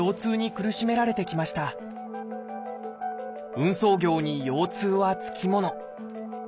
運送業に腰痛は付き物。